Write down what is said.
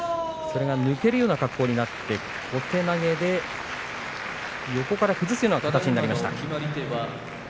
それが抜けるような格好になって小手投げで横から崩すような形になりました。